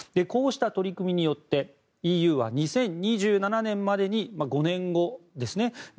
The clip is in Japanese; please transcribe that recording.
こうした取り組みによってＥＵは２０２７年までに５年後ですね